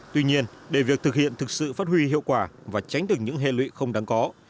tuy nhiên để việc thực hiện thực sự phát huy hiệu quả và tránh được những hệ lụy không đáng có